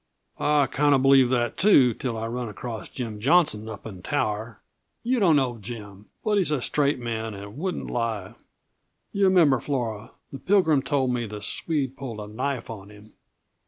"I kinda believed that, too, till I run onto Jim Johnson up in Tower. You don't know Jim, but he's a straight man and wouldn't lie. Yuh remember, Flora, the Pilgrim told me the Swede pulled a knife on him.